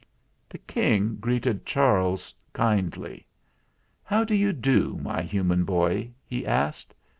The King greeted Charles kindly. "How do you do, my human boy?" he asked.